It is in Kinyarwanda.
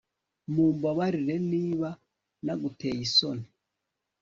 Mumbabarire niba naguteye isoni